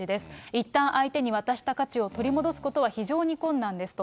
いったん、相手に渡した価値を取り戻すことは非常に困難ですと。